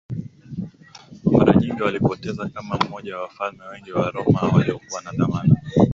Mara nyingi walipoteza kama mmoja wa wafalme wengi wa Roma waliokuwa na dhamana